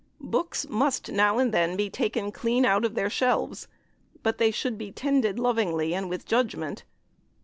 Books MUST now and then be taken clean out of their shelves, but they should be tended lovingly and with judgment.